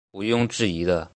无庸置疑的